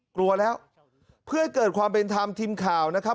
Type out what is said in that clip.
กลัวแล้วเพื่อให้เกิดความเป็นธรรมทีมข่าวนะครับ